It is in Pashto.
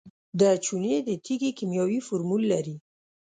د چونې د تیږې کیمیاوي فورمول لري.